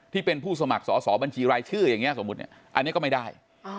ที่เป็นผู้สมัครสอบบัญชีรายชื่ออย่างนี้สมมุติเนี่ยอันนี้ก็ไม่ได้